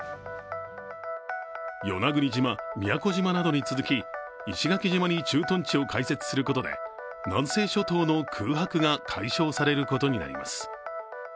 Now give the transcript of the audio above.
与那国島、宮古島などに続き石垣島に駐屯地を開設することで南西諸島の空白が解消されることになります。